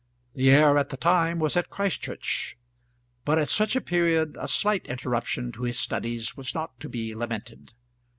The heir at the time was at Christchurch; but at such a period a slight interruption to his studies was not to be lamented.